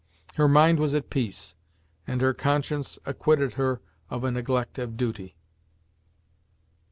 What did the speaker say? Her mind was at peace, and her conscience acquitted her of a neglect of duty.